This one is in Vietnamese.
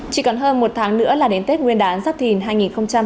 chỉ còn hơn một tháng nữa là đến tết nguyên đán giáp thìn hai nghìn hai mươi bốn